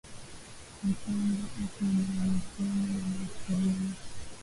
Nkambo eko na mukono ya ku rima